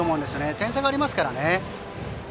点差がありますからね。